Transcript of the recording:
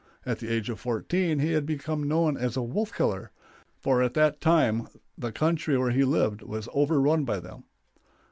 At the age of fourteen he had become known as a wolf killer, for at that time the country where he lived was overrun by them.